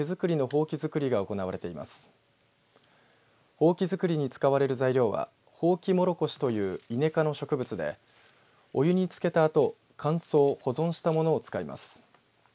ほうき作りに使われる材料はホウキモロコシというイネ科の植物でお湯につけたあと乾燥、保存したものを使います。